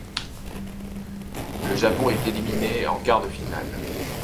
Le Japon est éliminé en quarts-de-finale.